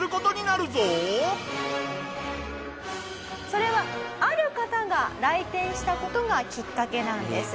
それはある方が来店した事がきっかけなんです。